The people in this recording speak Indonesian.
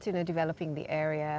bagaimana dengan pengembangan area